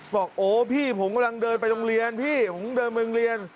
บอกโอ้พี่ผมกำลังเดินไปโรงเรียนพี่ผมเดินไปโรงเรียน